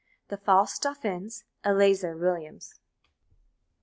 THE FALSE DAUPHINS: ELEAZAR WILLIAMS.